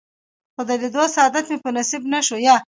خو د لیدو سعادت مې په نصیب نه شو.